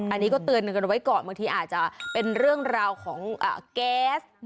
อันนี้ก็เตือนกันไว้ก่อนบางทีอาจจะเป็นเรื่องราวของแก๊ส